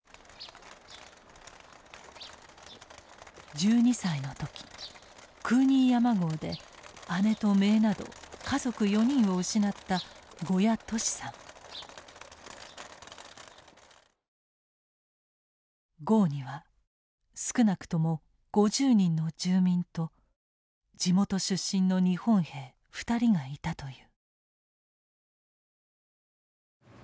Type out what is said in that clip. １２歳の時クーニー山壕で姉と姪など家族４人を失った壕には少なくとも５０人の住民と地元出身の日本兵２人がいたという。